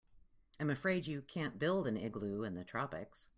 I'm afraid you can't build an igloo in the tropics.